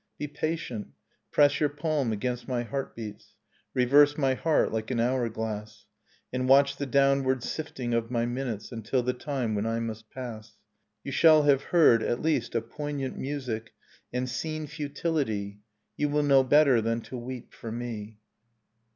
Be patient, press your palm against my heartbeats. Reverse my heart like an hour glass. And watch the downward sifting of my minutes Until the time when I must pass ... You shall have heard, at least, a poignant music And seen futility; You will know better than to weep for me.